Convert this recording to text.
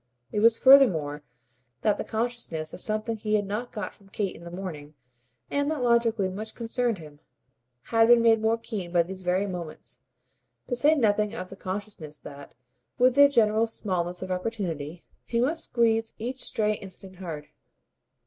It was furthermore that the consciousness of something he had not got from Kate in the morning, and that logically much concerned him, had been made more keen by these very moments to say nothing of the consciousness that, with their general smallness of opportunity, he must squeeze each stray instant hard.